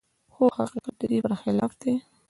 خو حقيقت د دې پرخلاف دی.